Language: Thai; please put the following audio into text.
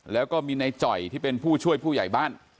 แล้วก็มีในจ่อยที่เป็นผู้ช่วยผู้ใหญ่บ้าน